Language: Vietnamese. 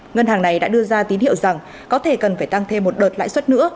ngân hàng này đã đưa ra tín hiệu rằng có thể cần phải tăng thêm một đợt lãi suất nữa